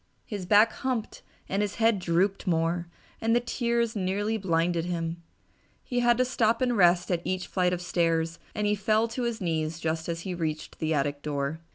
His back humped and his head drooped more, and the tears nearly blinded him. He had to stop and rest at each flight of stairs and he fell to his knees just as he reached the attic door.